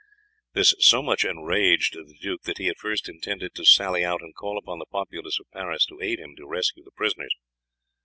This so much enraged the duke that he at first intended to sally out and call upon the populace of Paris to aid him to rescue the prisoners.